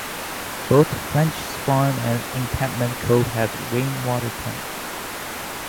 Both Frenchs Farm and Encampment Cove have rainwater tanks.